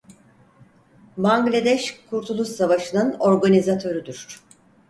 Bangladeş Kurtuluş Savaşı'nın organizatörüdür.